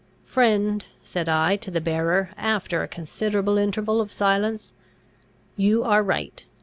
"Friend," said I to the bearer, after a considerable interval of silence, "you are right.